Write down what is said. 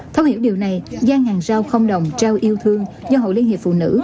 thấu hiểu điều này giang hàng rau không đồng trao yêu thương do hội liên hiệp phụ nữ